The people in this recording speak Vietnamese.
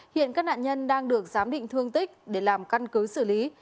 hiện các nạn nhân đang được giám định thương tích để làm căn cứ xử lý